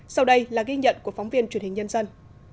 sau đây là ghi nhận của phóng viên truyền hình nhân dân